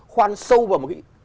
khoan sâu vào